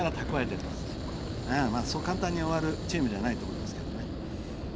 そう簡単に終わるチームじゃないと思います。